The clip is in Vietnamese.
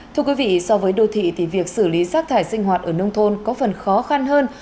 thưa quý vị so với đô thị thì việc xử lý rác thải sinh hoạt ở nông thôn có phần khó khăn hơn